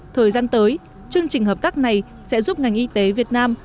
thời gian tới chương trình hợp tác này sẽ giúp ngành y tế việt nam